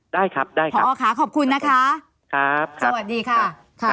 ได้ครับได้ครับพอค่ะขอบคุณนะคะครับสวัสดีค่ะค่ะ